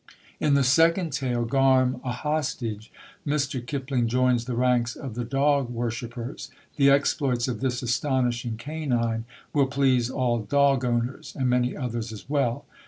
In the second tale, Garm A Hostage, Mr. Kipling joins the ranks of the dog worshippers; the exploits of this astonishing canine will please all dog owners, and many others as well.